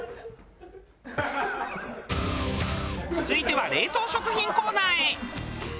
続いては冷凍食品コーナーへ。